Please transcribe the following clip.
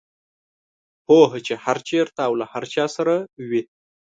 پوهه چې هر چېرته او له هر چا سره وي.